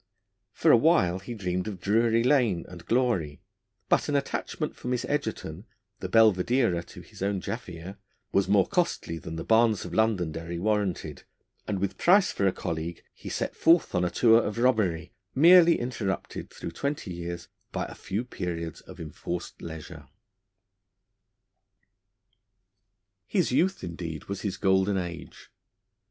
For a while he dreamed of Drury Lane and glory; but an attachment for Miss Egerton, the Belvidera to his own Jaffier, was more costly than the barns of Londonderry warranted, and, with Price for a colleague, he set forth on a tour of robbery, merely interrupted through twenty years by a few periods of enforced leisure. His youth, indeed, was his golden age.